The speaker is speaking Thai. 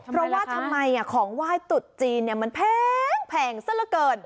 เพราะว่าทำไมของไหว้ตรุษจีนมันแพงซะละเกิน